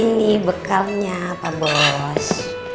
ini bekalnya pak bos